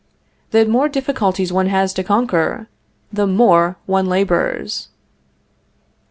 The more difficulties one has to conquer, the more one labors.